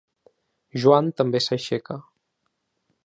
Joan també s'aixeca.